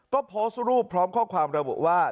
ก็โพสต์รูปพร้อมข้อความระบุว่า